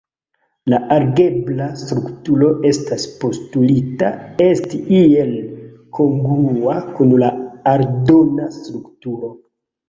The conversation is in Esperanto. La algebra strukturo estas postulita esti iel kongrua kun la aldona strukturo.